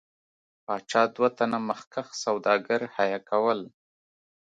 پاچا دوه تنه مخکښ سوداګر حیه کول.